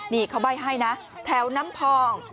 นี่เขาใบ้ให้นะแถวน้ำพอง